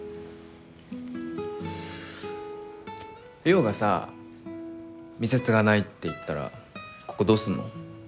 陽がさ店継がないって言ったらここどうするの？